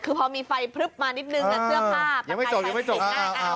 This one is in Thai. คือพอมีไฟพลึบมานิดหนึ่งนะเกื้อบผ้าก็ไม่จบแล้ว